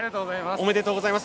おめでとうございます。